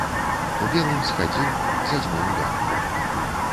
У белым схадзіў задзьмуў лямпу.